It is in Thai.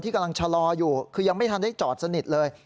กำลังชะลออยู่คือยังไม่ทันได้จอดสนิทเลย